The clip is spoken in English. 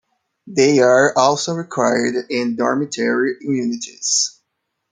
They are also required in dormitory units.